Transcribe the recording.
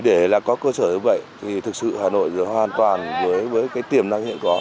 để có cơ sở như vậy thực sự hà nội hoàn toàn với tiềm năng hiện có